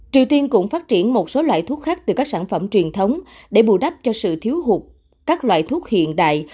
triều tiên cũng phát triển một số loại thuốc khác từ các sản phẩm truyền thống để bù đắp cho sự thiếu hụt các loại thuốc hiện đại